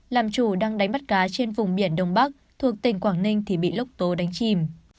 làm chủ đang đánh bắt cá trên vùng biển đông bắc thuộc tỉnh quảng ninh thì bị lốc tố đánh chìm